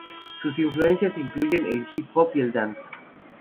Sus influencias incluyen el hip-hop y el dance.